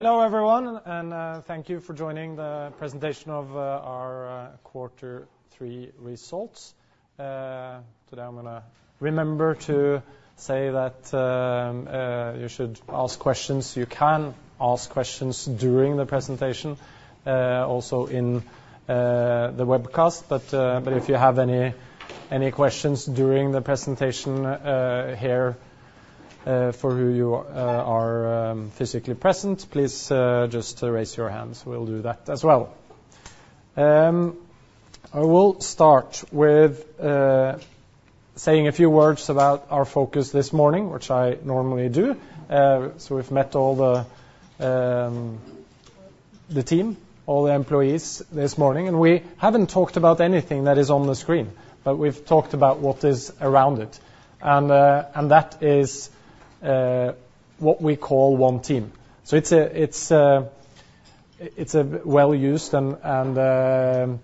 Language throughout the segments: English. Hello, everyone, and thank you for joining the presentation of our quarter three results. Today I'm gonna remember to say that you should ask questions. You can ask questions during the presentation, also in the webcast. But if you have any questions during the presentation, here, for who you are physically present, please just raise your hands. We'll do that as well. I will start with saying a few words about our focus this morning, which I normally do. So we've met all the team, all the employees this morning, and we haven't talked about anything that is on the screen, but we've talked about what is around it, and that is what we call One Team. It's a well-used and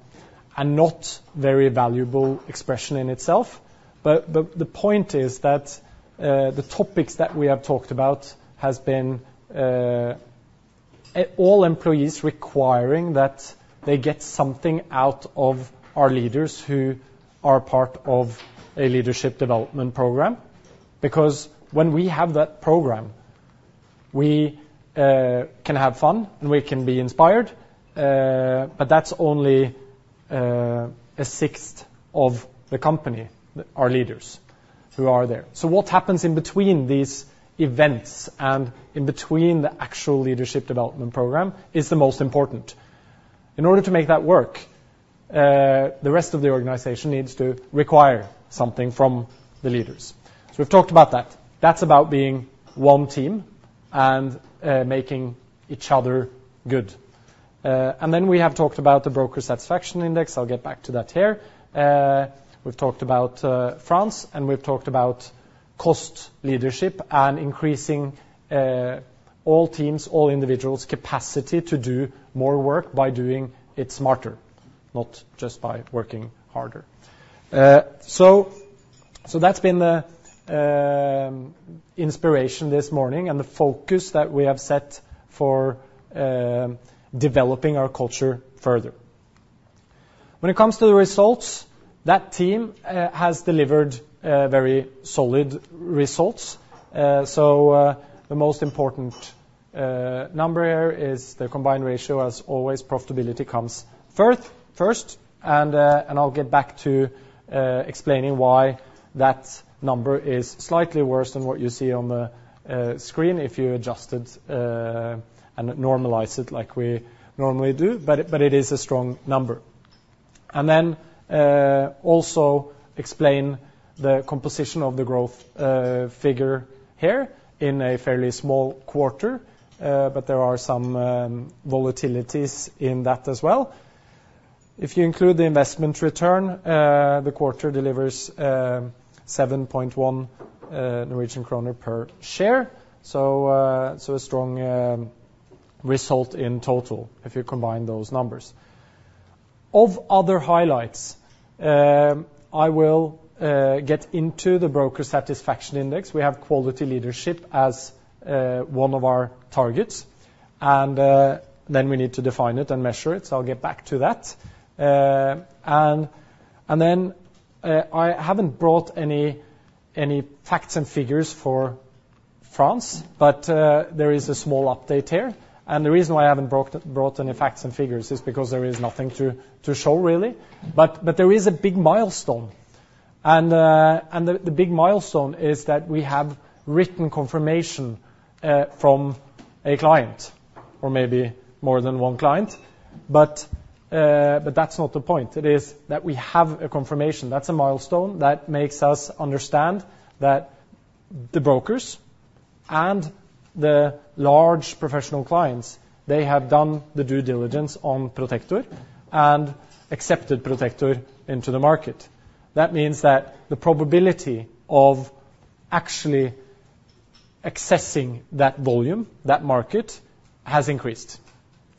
not very valuable expression in itself. But the point is that the topics that we have talked about has been all employees requiring that they get something out of our leaders who are part of a leadership development program. Because when we have that program, we can have fun, and we can be inspired. But that's only a sixth of the company, our leaders, who are there. What happens in between these events and in between the actual leadership development program is the most important. In order to make that work, the rest of the organization needs to require something from the leaders. We've talked about that. That's about being One Team and making each other good. And then we have talked about the Broker Satisfaction Index. I'll get back to that here. We've talked about France, and we've talked about cost leadership and increasing all teams, all individuals' capacity to do more work by doing it smarter, not just by working harder. That's been the inspiration this morning and the focus that we have set for developing our culture further. When it comes to the results, that team has delivered very solid results. The most important number here is the combined ratio. As always, profitability comes first, and I'll get back to explaining why that number is slightly worse than what you see on the screen if you adjust it and normalize it like we normally do, but it is a strong number. And then, also explain the composition of the growth figure here in a fairly small quarter, but there are some volatilities in that as well. If you include the investment return, the quarter delivers 7.1 Norwegian kroner per share, so a strong result in total if you combine those numbers. Of other highlights, I will get into the Broker Satisfaction Index. We have quality leadership as one of our targets, and then we need to define it and measure it, so I'll get back to that. I haven't brought any facts and figures for France, but there is a small update here. And the reason why I haven't brought any facts and figures is because there is nothing to show really. But there is a big milestone, and the big milestone is that we have written confirmation from a client or maybe more than one client, but that's not the point. It is that we have a confirmation. That's a milestone that makes us understand that the brokers and the large professional clients, they have done the due diligence on Protector and accepted Protector into the market. That means that the probability of actually accessing that volume, that market, has increased.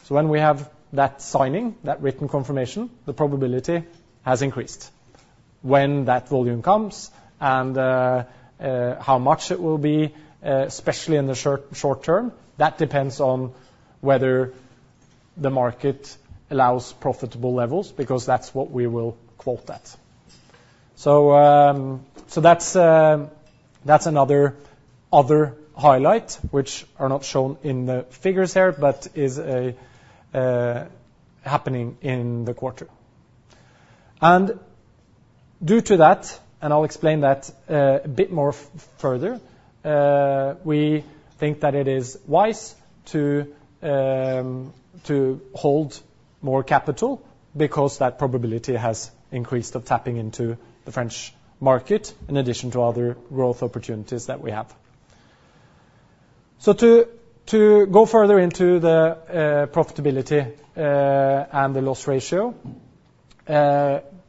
So when we have that signing, that written confirmation, the probability has increased. When that volume comes and how much it will be, especially in the short term, that depends on whether the market allows profitable levels, because that's what we will quote at. So that's another highlight, which are not shown in the figures here, but is a happening in the quarter. And due to that, I'll explain that a bit more further. We think that it is wise to hold more capital because that probability has increased of tapping into the French market in addition to other growth opportunities that we have. To go further into the profitability and the loss ratio,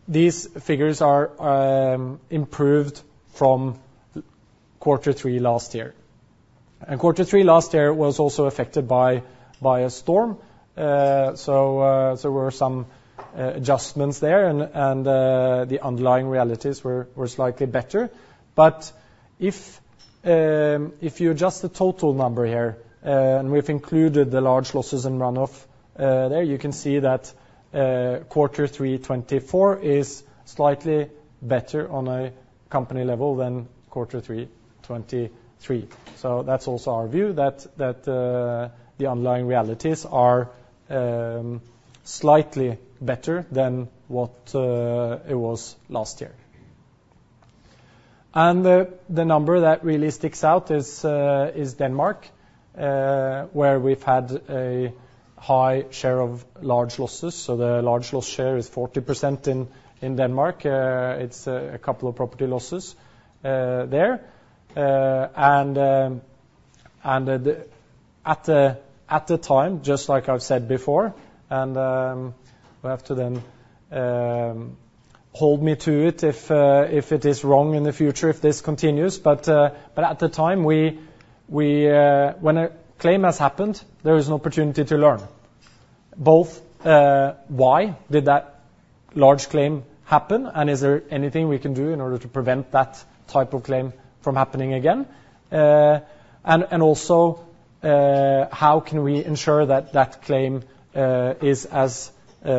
these figures are improved from quarter three last year. And quarter three last year was also affected by a storm. So were some adjustments there, and the underlying realities were slightly better. But... If you adjust the total number here, and we've included the large losses in run-off, there, you can see that quarter three 2024 is slightly better on a company level than quarter three 2023. So that's also our view, that the underlying realities are slightly better than what it was last year. And the number that really sticks out is Denmark, where we've had a high share of large losses. So the large loss share is 40% in Denmark. It's a couple of property losses there. And at the time, just like I've said before, and we have to then hold me to it if it is wrong in the future, if this continues. At the time when a claim has happened, there is an opportunity to learn both why did that large claim happen, and is there anything we can do in order to prevent that type of claim from happening again, and also how can we ensure that that claim is as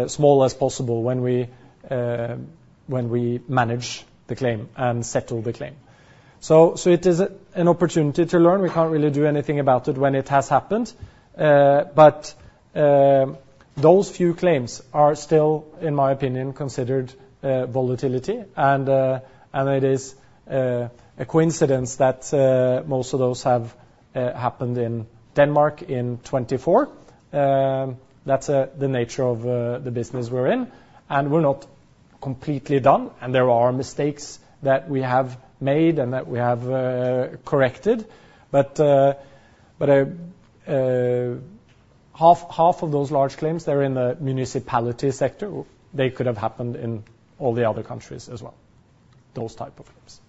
small as possible when we manage the claim and settle the claim? It is an opportunity to learn. We can't really do anything about it when it has happened. Those few claims are still, in my opinion, considered volatility, and it is a coincidence that most of those have happened in Denmark in 2024. That's the nature of the business we're in, and we're not completely done, and there are mistakes that we have made and that we have corrected. But half of those large claims, they're in the municipality sector. They could have happened in all the other countries as well, those type of claims.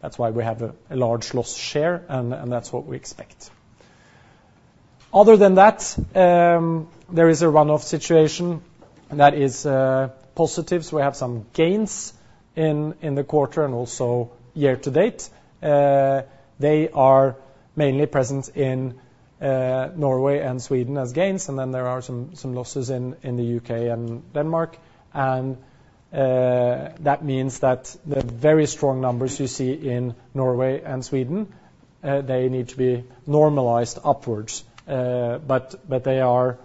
That's why we have a large loss share, and that's what we expect. Other than that, there is a run-off situation, and that is positives. We have some gains in the quarter and also year to date. They are mainly present in Norway and Sweden as gains, and then there are some losses in the UK and Denmark. And that means that the very strong numbers you see in Norway and Sweden, they need to be normalized upwards. But they are.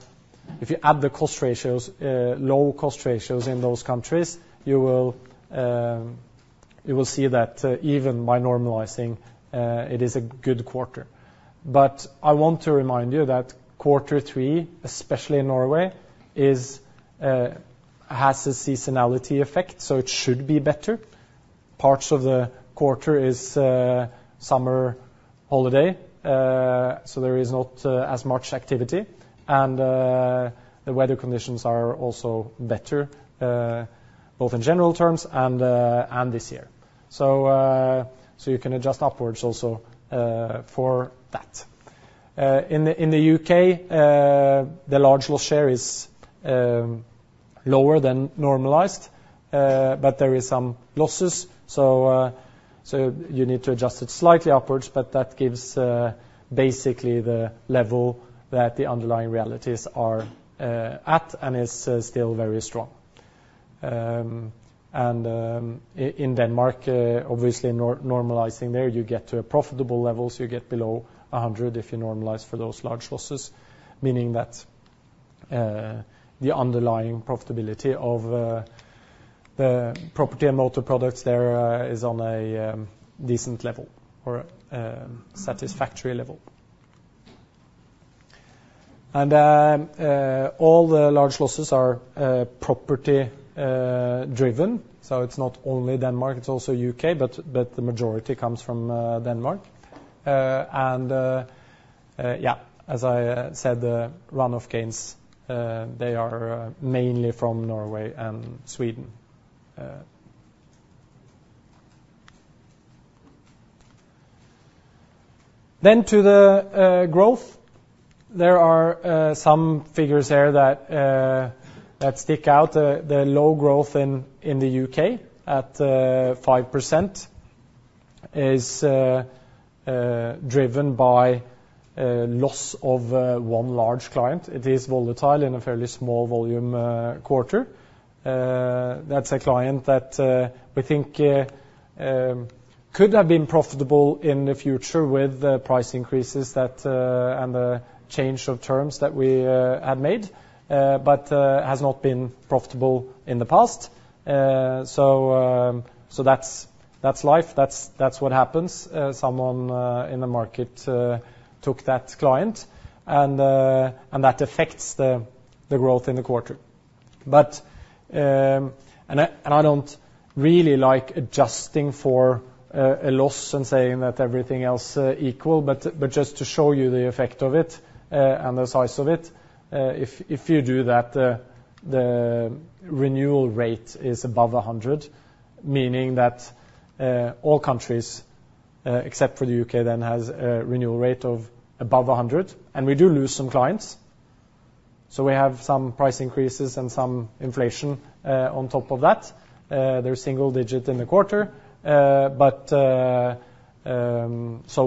If you add the cost ratios, low cost ratios in those countries, you will see that, even by normalizing, it is a good quarter. But I want to remind you that quarter three, especially in Norway, is has a seasonality effect, so it should be better. Parts of the quarter is summer holiday, so there is not as much activity, and the weather conditions are also better, both in general terms and this year. So you can adjust upwards also for that. In the UK, the large loss share is lower than normalized, but there is some losses, so you need to adjust it slightly upwards, but that gives basically the level that the underlying realities are at, and is still very strong. In Denmark, obviously normalizing there, you get to profitable levels. You get below a hundred if you normalize for those large losses, meaning that the underlying profitability of the property and motor products there is on a decent level or satisfactory level. All the large losses are property driven, so it's not only Denmark, it's also UK, but the majority comes from Denmark. Yeah, as I said, the run-off gains they are mainly from Norway and Sweden. Then to the growth. There are some figures there that stick out. The low growth in the U.K. at 5% is driven by loss of one large client. It is volatile in a fairly small volume quarter. That's a client that we think could have been profitable in the future with the price increases that and the change of terms that we had made, but has not been profitable in the past. So that's life, that's what happens. Someone in the market took that client, and that affects the growth in the quarter. But I don't really like adjusting for a loss and saying that everything else equal, but just to show you the effect of it and the size of it, if you do that, the renewal rate is above 100, meaning that all countries except for the UK then has a renewal rate of above 100. And we do lose some clients. So we have some price increases and some inflation on top of that. They're single digit in the quarter, but so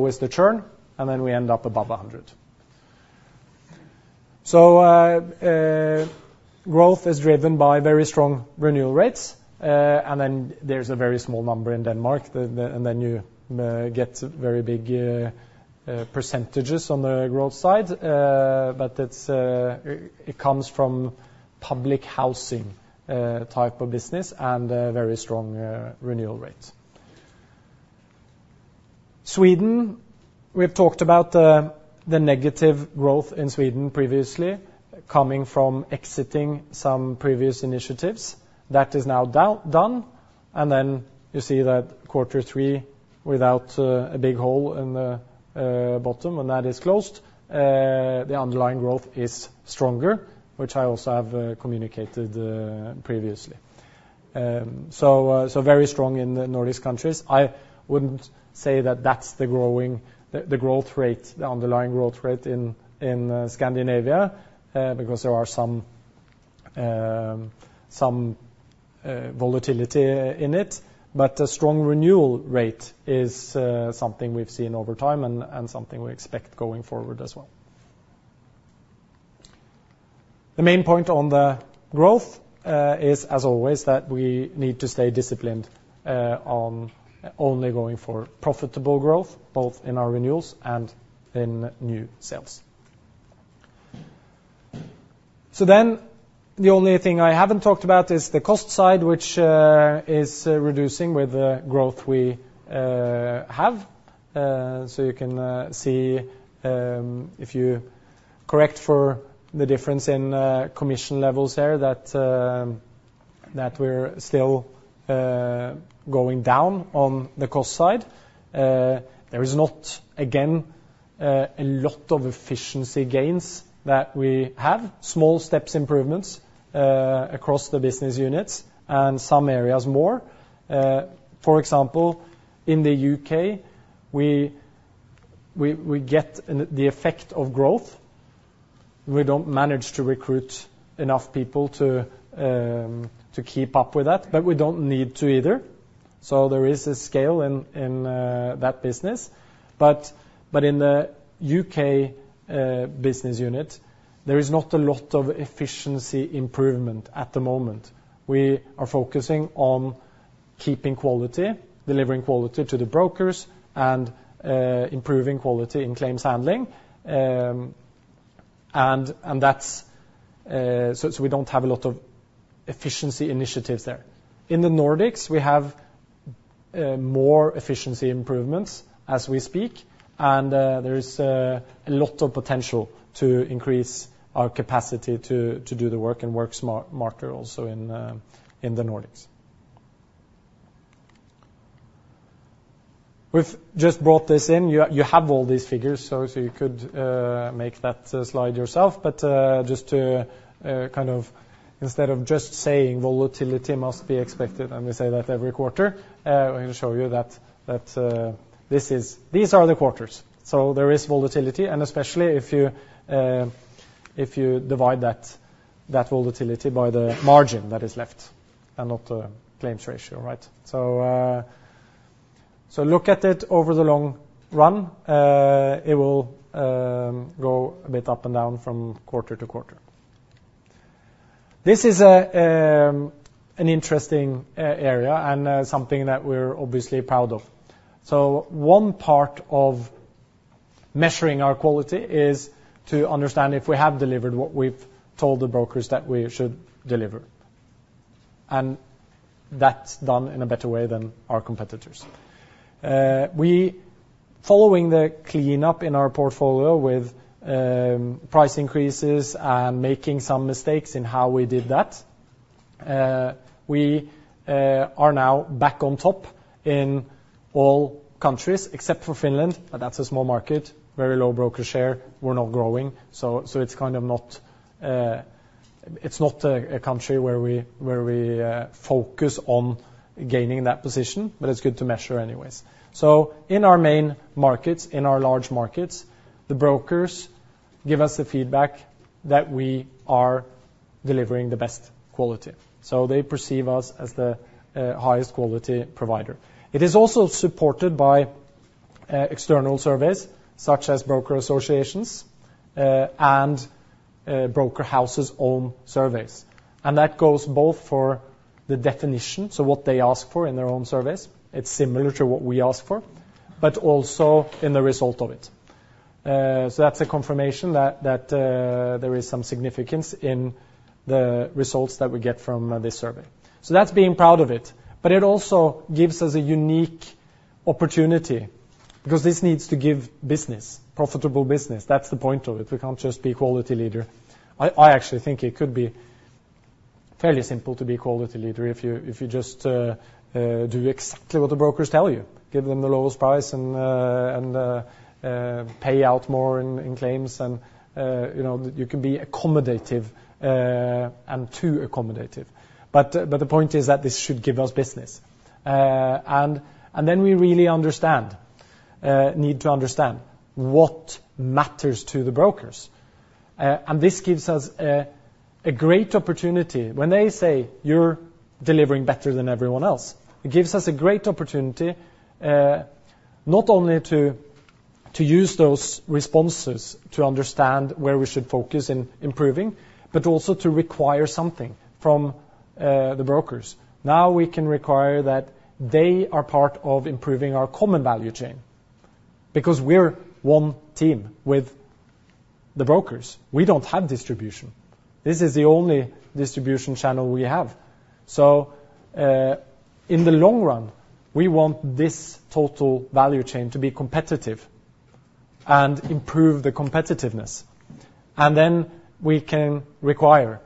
is the churn, and then we end up above 100. Growth is driven by very strong renewal rates, and then there's a very small number in Denmark, and then you get very big percentages on the growth side, but it comes from public housing type of businesds, and very strong renewal rates. Sweden, we've talked about the negative growth in Sweden previously, coming from exiting some previous initiatives. That is now done, and then you see that quarter three, without a big hole in the bottom when that is closed, the underlying growth is stronger, which I also have communicated previously. So very strong in the Nordic countries. I wouldn't say that that's the growth rate, the underlying growth rate in Scandinavia, because there are some volatility in it. But a strong renewal rate is something we've seen over time, and something we expect going forward as well. The main point on the growth is, as always, that we need to stay disciplined on only going for profitable growth, both in our renewals and in new sales. So then, the only thing I haven't talked about is the cost side, which is reducing with the growth we have. So you can see if you correct for the difference in commission levels there, that that we're still going down on the cost side. There is not, again, a lot of efficiency gains that we have. Small steps improvements across the business units, and some areas more. For example, in the UK, we get the effect of growth. We don't manage to recruit enough people to keep up with that, but we don't need to either, so there is a scale in that business. But in the UK business unit, there is not a lot of efficiency improvement at the moment. We are focusing on keeping quality, delivering quality to the brokers, and improving quality in claims handling. And that's so we don't have a lot of efficiency initiatives there. In the Nordics, we have more efficiency improvements as we speak, and there is a lot of potential to increase our capacity to do the work and work smarter also in the Nordics. We've just brought this in. You have all these figures, so you could make that slide yourself, but just to kind of instead of just saying volatility must be expected, and we say that every quarter, we're gonna show you that these are the quarters, so there is volatility, and especially if you divide that volatility by the margin that is left and not the claims ratio, right, so look at it over the long run. It will go a bit up and down from quarter to quarter. This is an interesting area, and something that we're obviously proud of. So one part of measuring our quality is to understand if we have delivered what we've told the brokers that we should deliver, and that's done in a better way than our competitors. We, following the cleanup in our portfolio with price increases and making some mistakes in how we did that, we are now back on top in all countries except for Finland, but that's a small market, very low broker share. We're not growing, so it's kind of not a country where we focus on gaining that position, but it's good to measure anyways. So in our main markets, in our large markets, the brokers give us the feedback that we are delivering the best quality, so they perceive us as the highest quality provider. It is also supported by external surveys, such as broker associations and broker houses' own surveys. And that goes both for the definition, so what they ask for in their own surveys, it's similar to what we ask for, but also in the result of it. So that's a confirmation that there is some significance in the results that we get from this survey. So that's being proud of it, but it also gives us a unique opportunity, because this needs to give business, profitable business. That's the point of it. We can't just be quality leader. I actually think it could be fairly simple to be quality leader if you just do exactly what the brokers tell you. Give them the lowest price and pay out more in claims and you know, you can be accommodative and too accommodative. But the point is that this should give us business. And then we really need to understand what matters to the brokers. And this gives us a great opportunity. When they say, "You're delivering better than everyone else," it gives us a great opportunity not only to use those responses to understand where we should focus in improving, but also to require something from the brokers. Now we can require that they are part of improving our common value chain, because we're one team with the brokers. We don't have distribution. This is the only distribution channel we have. So, in the long run, we want this total value chain to be competitive and improve the competitiveness. And then we can require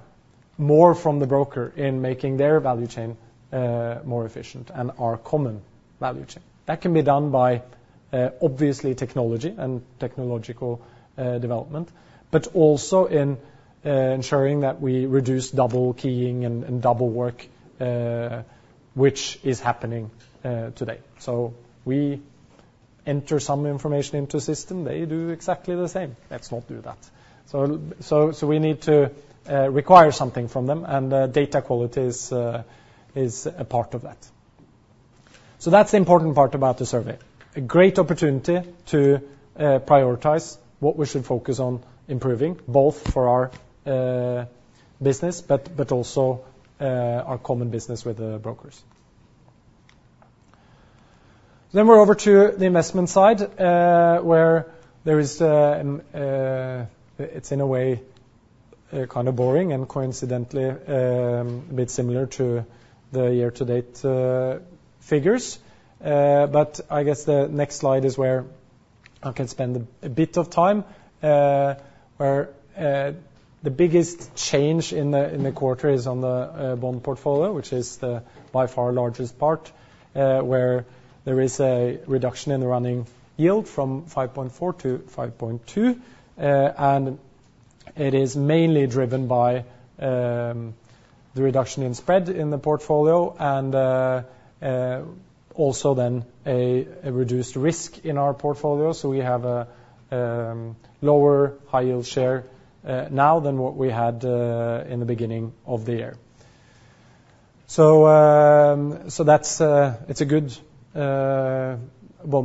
more from the broker in making their value chain more efficient and our common value chain. That can be done by, obviously, technology and technological development, but also in ensuring that we reduce double keying and double work, which is happening today. So we enter some information into system, they do exactly the same. Let's not do that. So we need to require something from them, and data quality is a part of that. So that's the important part about the survey. A great opportunity to prioritize what we should focus on improving, both for our business, but also our common business with the brokers. Then we're over to the investment side, where there is, it's in a way kind of boring, and coincidentally a bit similar to the year-to-date figures. But I guess the next slide is where I can spend a bit of time. Where the biggest change in the quarter is on the bond portfolio, which is by far the largest part, where there is a reduction in the running yield from 5.4 to 5.2. And it is mainly driven by the reduction in spread in the portfolio and also then a reduced risk in our portfolio. So we have a lower high-yield share now than what we had in the beginning of the year. So that's it. It's a good bond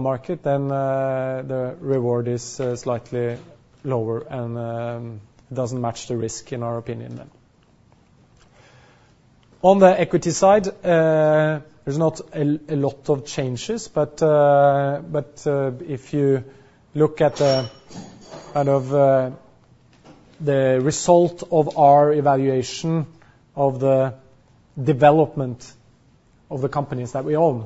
market. Then the reward is slightly lower and doesn't match the risk in our opinion then. On the equity side, there's not a lot of changes, but if you look at the result of our evaluation of the development of the companies that we own,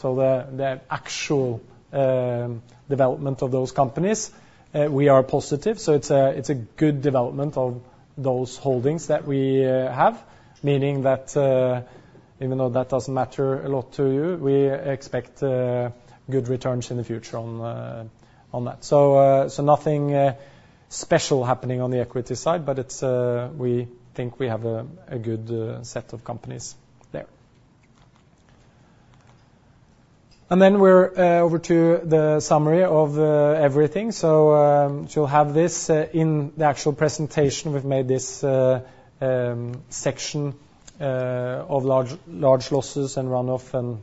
so the actual development of those companies, we are positive. So it's a good development of those holdings that we have, meaning that even though that doesn't matter a lot to you, we expect good returns in the future on that. So nothing special happening on the equity side, but it's. We think we have a good set of companies there. And then we're over to the summary of everything. So, you'll have this in the actual presentation. We've made this section of large, large losses and run-off and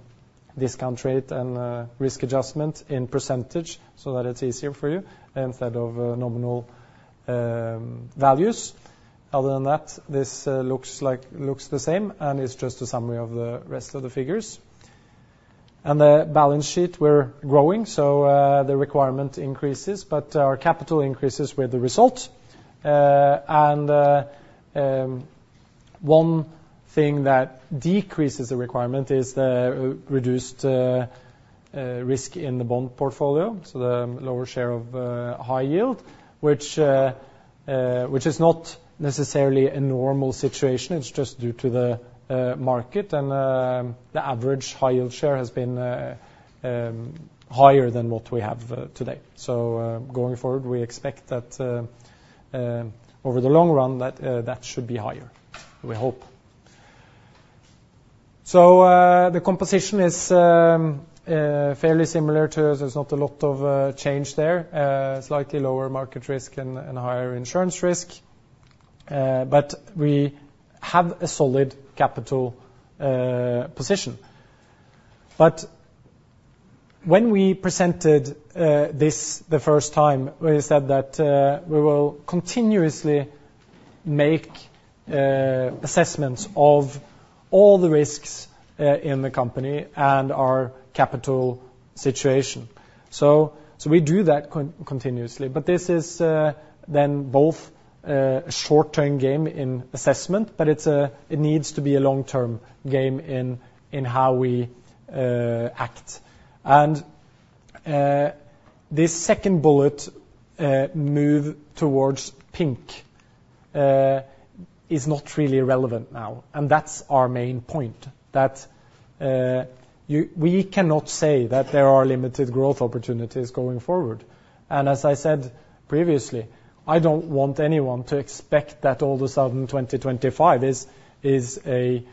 discount rate and risk adjustment in percentage so that it's easier for you, instead of nominal values. Other than that, this looks like, looks the same, and it's just a summary of the rest of the figures. And the balance sheet, we're growing, so the requirement increases, but our capital increases with the result. And one thing that decreases the requirement is the reduced risk in the bond portfolio, so the lower share of high-yield, which is not necessarily a normal situation. It's just due to the market and the average high-yield share has been higher than what we have today. So going forward, we expect that over the long run, that should be higher, we hope. So the composition is fairly similar to us. There's not a lot of change there. Slightly lower market risk and higher insurance risk, but we have a solid capital position. But when we presented this the first time, we said that we will continuously make assessments of all the risks in the company and our capital situation. So we do that continuously, but this is then both a short-term game in assessment, but it's a. It needs to be a long-term game in how we act. And this second bullet, "Move towards pink," is not really relevant now, and that's our main point, that you. We cannot say that there are limited growth opportunities going forward. And as I said previously, I don't want anyone to expect that all of a sudden, twenty twenty-five is a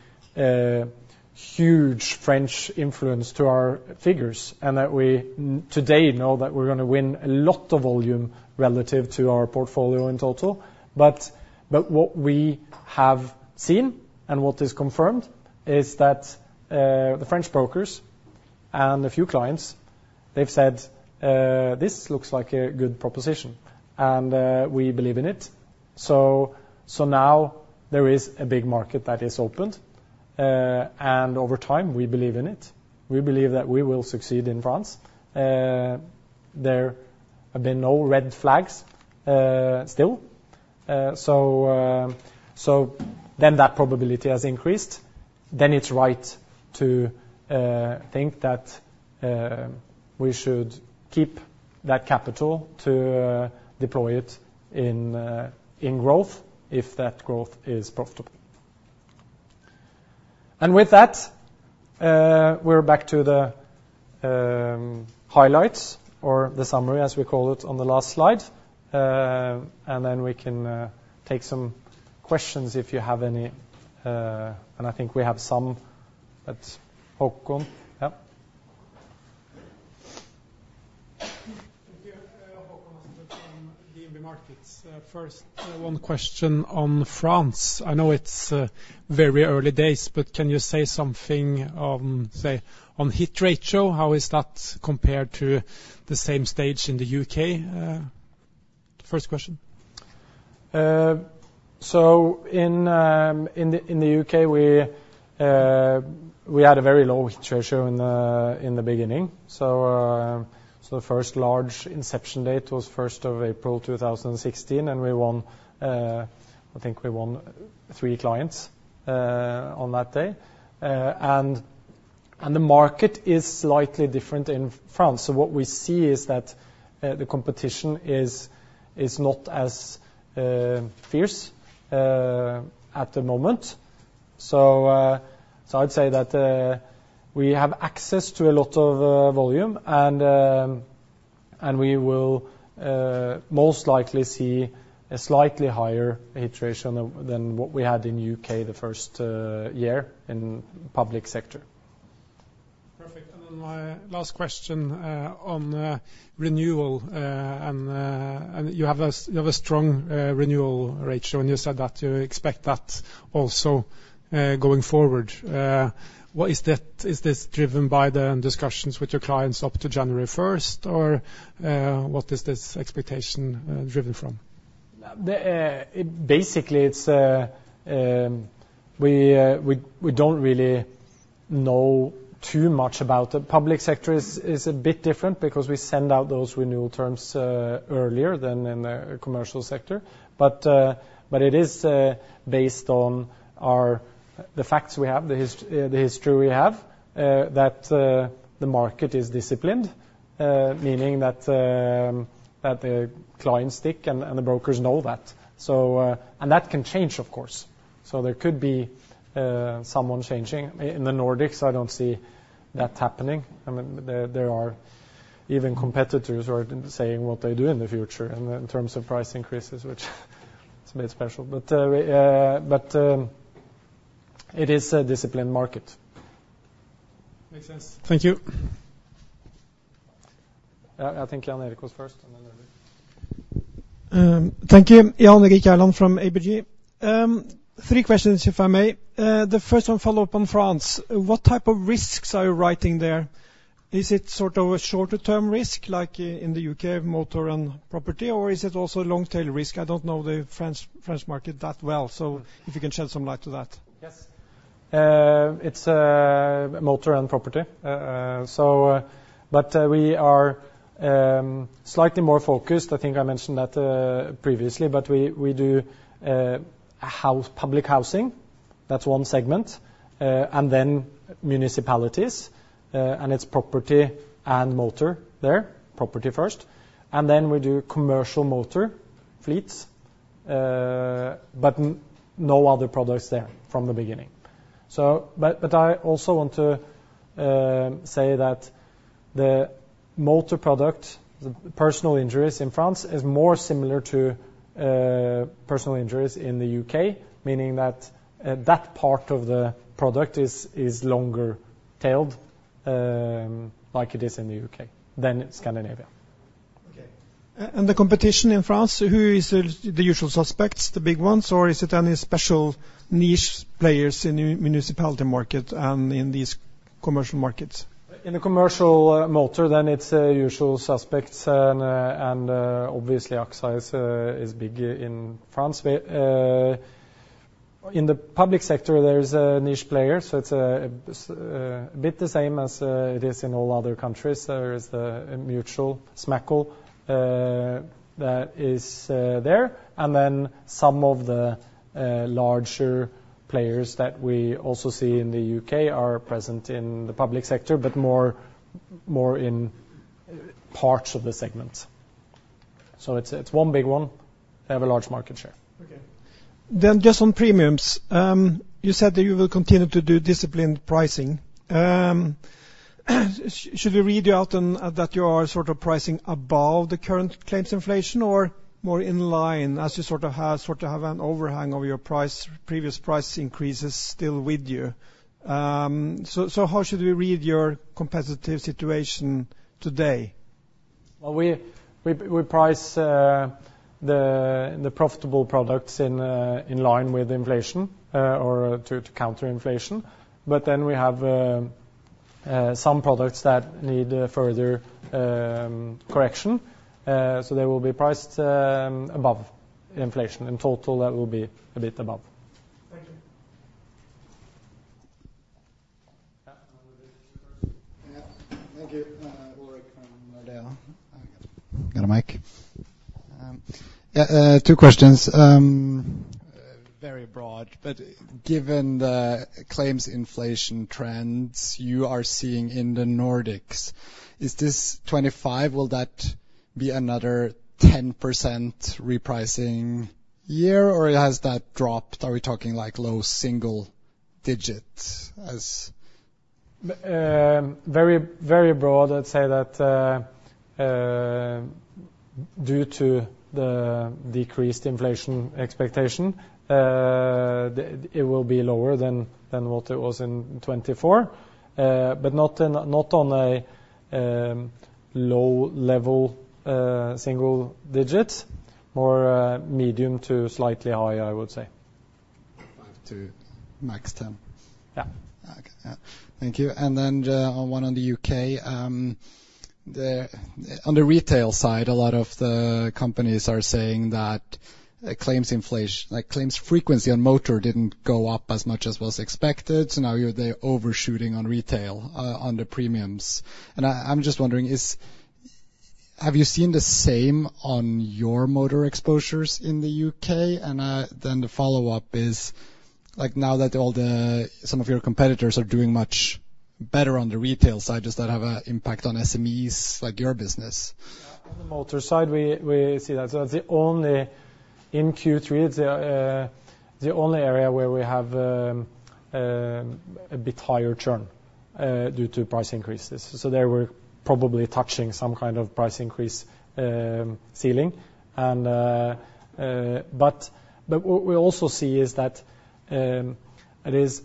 huge French influence to our figures, and that we today know that we're gonna win a lot of volume relative to our portfolio in total. But what we have seen and what is confirmed is that the French brokers and a few clients they've said, "This looks like a good proposition, and we believe in it." So now there is a big market that is opened, and over time, we believe in it. We believe that we will succeed in France. There have been no red flags still. So then that probability has increased. Then it's right to think that we should keep that capital to deploy it in growth if that growth is profitable. And with that, we're back to the highlights or the summary, as we call it, on the last slide. And then we can take some questions if you have any, and I think we have some at Håkon Yeah. Thank you. Håkon from DNB Markets. First, one question on France. I know it's very early days, but can you say something on, say, on hit ratio? How is that compared to the same stage in the UK? First question. In the UK, we had a very low hit ratio in the beginning. The first large inception date was first of April 2016, and we won, I think we won three clients on that day. The market is slightly different in France. What we see is that the competition is not as fierce at the moment. I'd say that we have access to a lot of volume, and we will most likely see a slightly higher hit ratio than what we had in the UK the first year in public sector. Perfect. And then my last question, on renewal, and you have a strong renewal ratio, and you said that you expect that also going forward. What is that... Is this driven by the discussions with your clients up to January first, or what is this expectation driven from? Basically, we don't really know too much about it. Public sector is a bit different because we send out those renewal terms earlier than in the commercial sector. But, but it is based on the facts we have, the history we have, that the market is disciplined, meaning that the clients stick, and the brokers know that. So, and that can change, of course. So there could be someone changing. In the Nordics, I don't see that happening. I mean, there are even competitors who are saying what they do in the future and in terms of price increases, which it's a bit special. But, but it is a disciplined market. Makes sense. Thank you. I think Jan Erik was first, and then Randy. Thank you. Jan Erik Gjerland from ABG. Three questions, if I may. The first one follow up on France. What type of risks are you writing there? Is it sort of a shorter-term risk, like in the UK, motor and property, or is it also a long-tail risk? I don't know the French market that well, so if you can shed some light to that. Yes. It's motor and property. So, but we are slightly more focused. I think I mentioned that previously, but we do housing, public housing. That's one segment. And then municipalities, and it's property and motor there, property first, and then we do commercial motor fleets, but no other products there from the beginning. So I also want to say that the motor product, the personal injuries in France, is more similar to personal injuries in the UK, meaning that that part of the product is longer-tailed, like it is in the UK than Scandinavia. Okay. And the competition in France, who is the usual suspects, the big ones, or is it any special niche players in the municipality market and in these commercial markets? In the commercial motor, then it's usual suspects, and obviously, AXA is big in France. In the public sector, there's a niche player, so it's a bit the same as it is in all other countries. There is the mutual, SMACL, that is there, and then some of the larger players that we also see in the UK are present in the public sector, but more in parts of the segment. So it's one big one, have a large market share. Okay. Then just on premiums, you said that you will continue to do disciplined pricing. Should we read you out on that you are sort of pricing above the current claims inflation, or more in line, as you sort of have an overhang of your previous price increases still with you? So how should we read your competitive situation today? We price the profitable products in line with inflation or to counter inflation. But then we have some products that need further correction. So they will be priced above inflation. In total, that will be a bit above. Thank you. Yeah. Yeah, thank you. Ulrik from Nordea. I got a mic. Yeah, two questions. Very broad, but given the claims inflation trends you are seeing in the Nordics, is 2025 will that be another 10% repricing year, or has that dropped? Are we talking, like, low single digits, as- Very, very broad, I'd say that due to the decreased inflation expectation, it will be lower than what it was in 2024. But not on a low level, single digits, more medium to slightly high, I would say. Five to max ten. Yeah. Okay, yeah. Thank you, and then on the UK, on the retail side, a lot of the companies are saying that claims inflation, like, claims frequency on motor didn't go up as much as was expected, so now you're, they're overshooting on retail, on the premiums. And I'm just wondering, have you seen the same on your motor exposures in the UK? And then the follow-up is, like, now that some of your competitors are doing much better on the retail side, does that have an impact on SMEs, like your business? Yeah, on the motor side, we see that as the only, in Q3, the only area where we have a bit higher churn due to price increases. So there we're probably touching some kind of price increase ceiling, but what we also see is that it is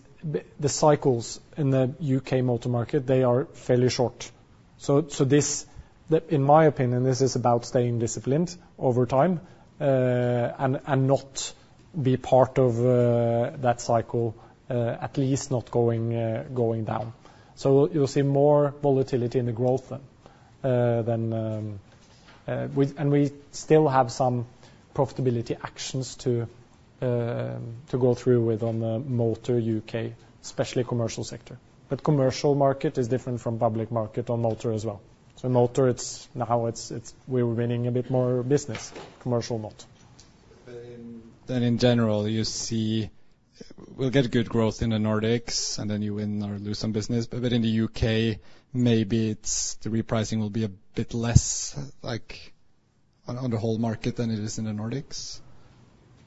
the cycles in the UK motor market; they are fairly short. So this, in my opinion, this is about staying disciplined over time and not be part of that cycle, at least not going down. So you'll see more volatility in the growth then than. We still have some profitability actions to go through with on the motor UK, especially commercial sector, but commercial market is different from public market on motor as well. So motor, it's now we're winning a bit more business, commercial, not. In general, you see, we'll get good growth in the Nordics, and then you win or lose some business. But in the UK, maybe it's the repricing will be a bit less, like, on the whole market than it is in the Nordics?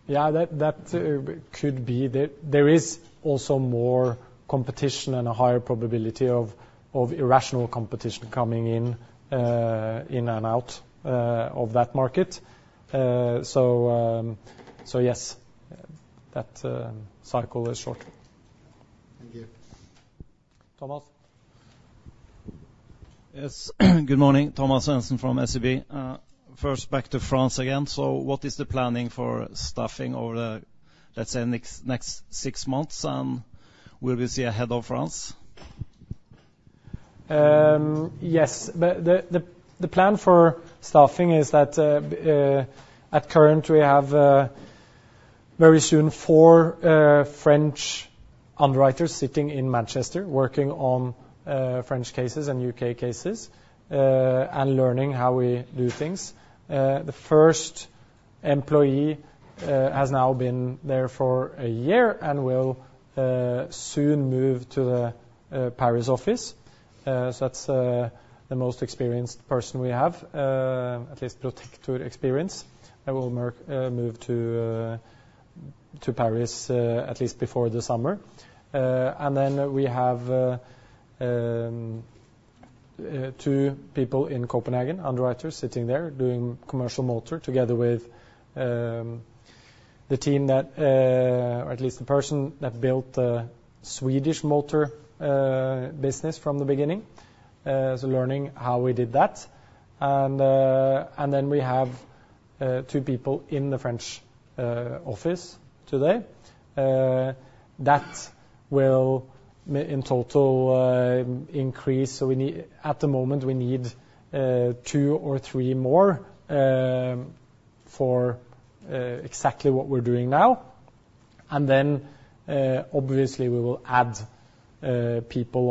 Yeah, that could be. There is also more competition and a higher probability of irrational competition coming in and out of that market. So yes, that cycle is short. Thank you. Thomas? Yes. Good morning, Thomas Svendsen from SEB. First back to France again. So what is the planning for staffing over the, let's say, next six months, and will we see a head of France? Yes. The plan for staffing is that, at current, we have very soon four French underwriters sitting in Manchester, working on French cases and UK cases, and learning how we do things. The first employee has now been there for a year and will soon move to the Paris office. So that's the most experienced person we have, at least Protector experience, and will move to Paris, at least before the summer. And then we have two people in Copenhagen, underwriters, sitting there doing commercial motor together with the team that, or at least the person that built the Swedish motor business from the beginning, so learning how we did that. Then we have two people in the French office today. That will in total increase, so we need, at the moment, two or three more for exactly what we're doing now. Then, obviously, we will add people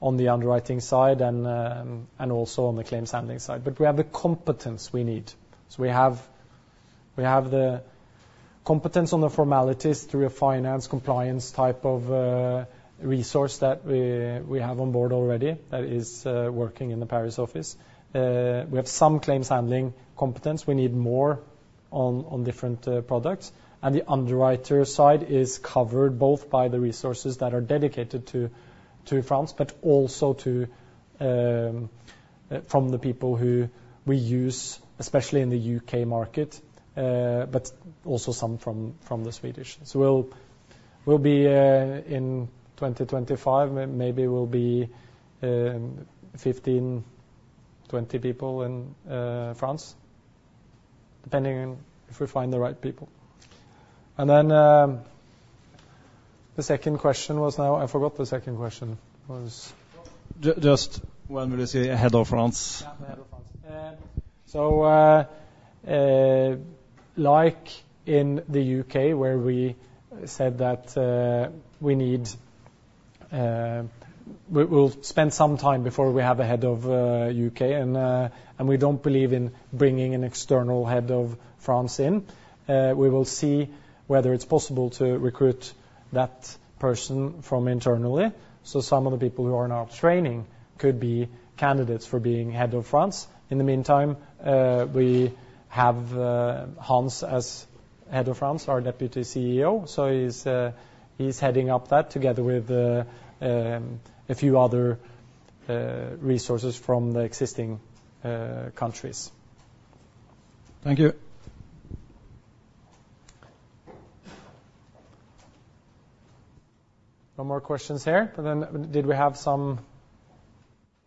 on the underwriting side and also on the claims handling side. We have the competence we need. We have the competence on the formalities through a finance compliance type of resource that we have on board already, that is working in the Paris office. We have some claims handling competence. We need more on different products. The underwriter side is covered both by the resources that are dedicated to France, but also from the people who we use, especially in the UK market, but also some from the Swedish. So we'll be in 2025, maybe we'll be fifteen, twenty people in France, depending on if we find the right people. And then, the second question was? Now I forgot the second question was? Just when will you see a Head of France? Yeah, the head of France. So, like in the UK, where we said that, we need, we'll spend some time before we have a head of UK, and we don't believe in bringing an external head of France in. We will see whether it's possible to recruit that person from internally. So some of the people who are in our training could be candidates for being head of France. In the meantime, we have Hans, as head of France, our Deputy CEO, so he's heading up that together with a few other resources from the existing countries. Thank you. No more questions here. And then did we have some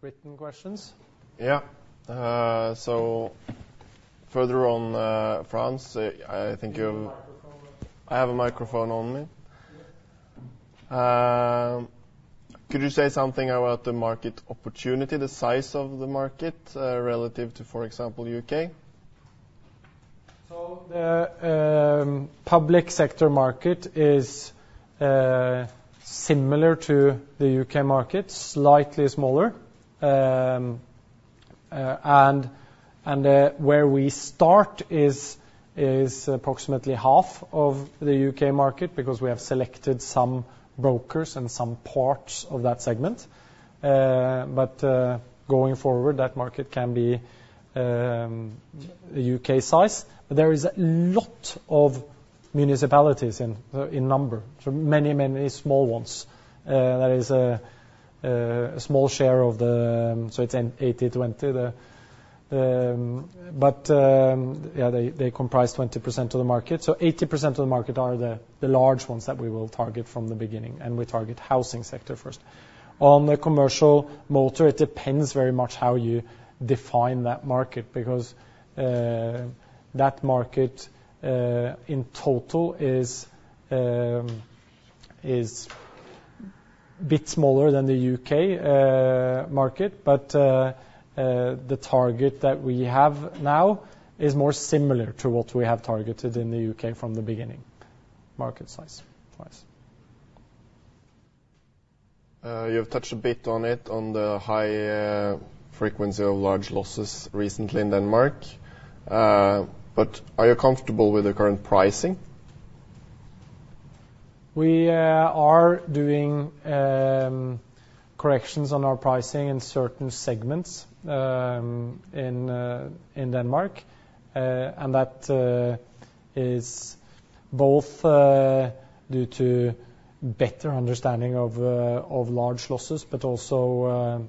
written questions? Yeah. So further on, France, I think you- Give him a microphone. I have a microphone on me. Yes. Could you say something about the market opportunity, the size of the market, relative to, for example, U.K.? So, the public sector market is similar to the UK market, slightly smaller. And where we start is approximately half of the UK market, because we have selected some brokers and some parts of that segment. But going forward, that market can be UK size. There is a lot of municipalities in number, so many small ones. That is a small share of the, so it's in 80/20 the. But yeah, they comprise 20% of the market. So 80% of the market are the large ones that we will target from the beginning, and we target housing sector first. On the Commercial Motor, it depends very much how you define that market, because that market in total is a bit smaller than the UK market, but the target that we have now is more similar to what we have targeted in the UK from the beginning, market size-wise. You have touched a bit on it, on the high frequency of large losses recently in Denmark. But are you comfortable with the current pricing? We are doing corrections on our pricing in certain segments in Denmark, and that is both due to better understanding of large losses, but also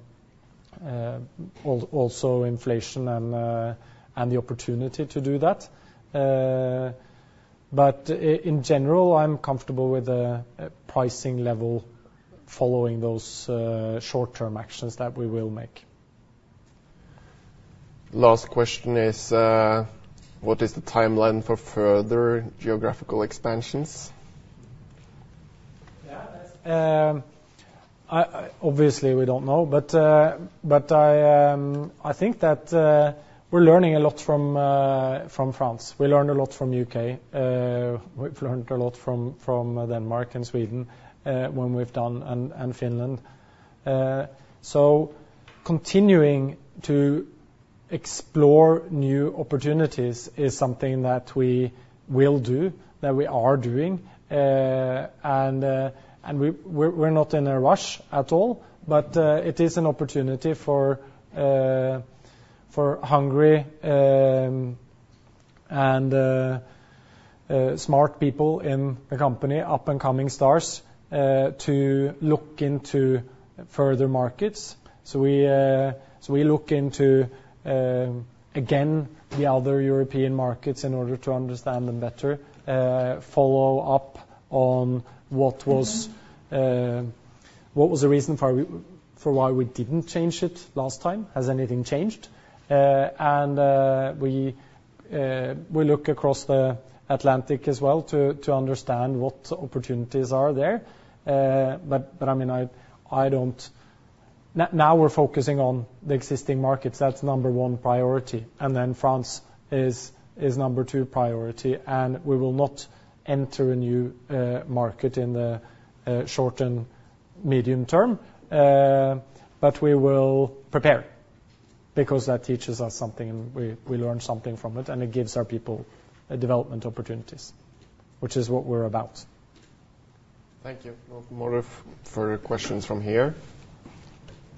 inflation and the opportunity to do that, but in general, I'm comfortable with the pricing level following those short-term actions that we will make. Last question is: what is the timeline for further geographical expansions? Yeah, that's. I obviously we don't know. But I think that we're learning a lot from France. We learned a lot from UK. We've learned a lot from Denmark and Sweden when we've done, and Finland. So continuing to explore new opportunities is something that we will do, that we are doing. And we are not in a rush at all, but it is an opportunity for hungry and smart people in the company, up-and-coming stars to look into further markets. So we look into again the other European markets in order to understand them better, follow up on what was- Mm-hmm. What was the reason for why we didn't change it last time? Has anything changed? And we look across the Atlantic as well to understand what opportunities are there. But I mean, I don't... Now we're focusing on the existing markets. That's number one priority. And then France is number two priority, and we will not enter a new market in the short and medium term. But we will prepare, because that teaches us something, and we learn something from it, and it gives our people development opportunities, which is what we're about. Thank you. No more further questions from here.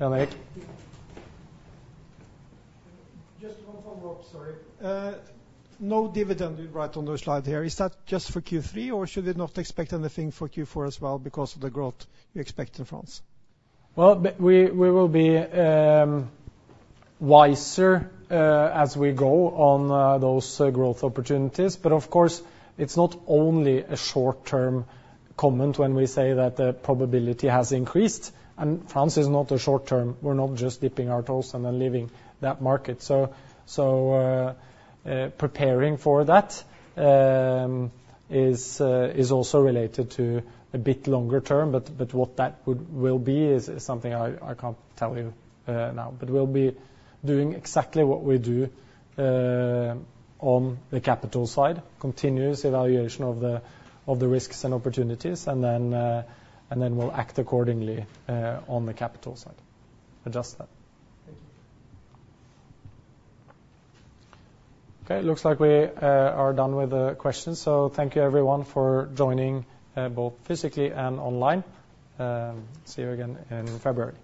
Yeah,? Just one follow-up, sorry. No dividend, you write on the slide here. Is that just for Q3, or should we not expect anything for Q4 as well because of the growth you expect in France? Well, but we will be wiser as we go on those growth opportunities. But of course, it's not only a short-term comment when we say that the probability has increased, and France is not a short term. We're not just dipping our toes and then leaving that market. So preparing for that is also related to a bit longer term, but what that would be is something I can't tell you now. But we'll be doing exactly what we do on the capital side, continuous evaluation of the risks and opportunities, and then we'll act accordingly on the capital side. Adjust that. Thank you. Okay, it looks like we are done with the questions. So thank you, everyone, for joining both physically and online. See you again in February.